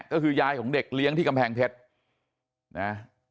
ก็คือยายของเด็กเลี้ยงที่กำแพงเพชรนะ